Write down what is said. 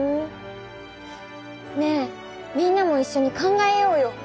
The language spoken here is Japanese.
ねえみんなもいっしょに考えようよ。